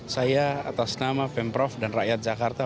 saya atas nama pemprov dan rakyat jakarta